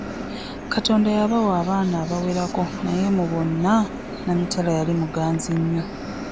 Katonda yabawa abaana abawerako nga naye mu bonna Namitala yali muganzi nnyo.